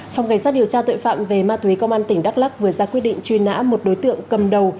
phòng cảnh sát điều tra tội phạm về ma túy công an tỉnh đắk lắc vừa ra quyết định truy nã một đối tượng cầm đầu